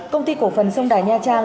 công ty cổ phần sông đà nha trang